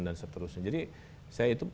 dan seterusnya jadi saya itu